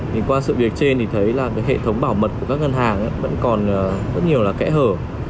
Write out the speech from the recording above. thì qua sự việc trên thì thấy là cái hệ thống bảo mật của các ngân hàng vẫn còn rất nhiều là kẽ hở